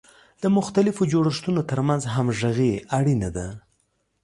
د مختلفو جوړښتونو ترمنځ همغږي اړینه ده.